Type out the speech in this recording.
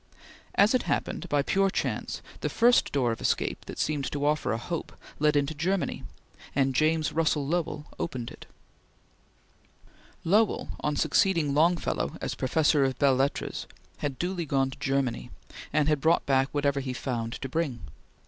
As it happened, by pure chance, the first door of escape that seemed to offer a hope led into Germany, and James Russell Lowell opened it. Lowell, on succeeding Longfellow as Professor of Belles Lettres, had duly gone to Germany, and had brought back whatever he found to bring.